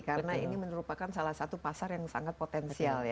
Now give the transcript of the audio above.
karena ini merupakan salah satu pasar yang sangat potensial ya